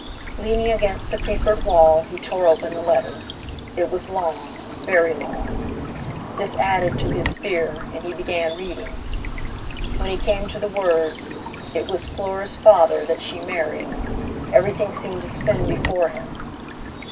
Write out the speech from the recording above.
Leaning against the creepered wall he tore open the letter. It was long—very long! This added to his fear, and he began reading. When he came to the words: "It was Fleur's father that she married," everything seemed to spin before him.